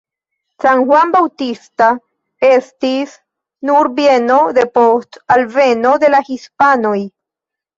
San Juan Bautista estis nur bieno depost alveno de la hispanoj.